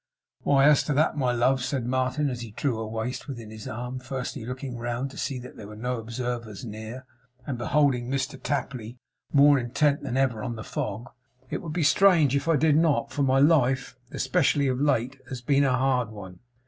'Why, as to that, my love,' said Martin as he drew her waist within his arm, first looking round to see that there were no observers near, and beholding Mr Tapley more intent than ever on the fog; 'it would be strange if I did not; for my life especially of late has been a hard one.